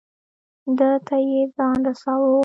ده ته یې ځان رساو.